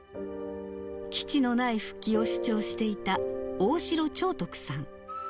基地のない復帰を主張していた大城朝徳さん。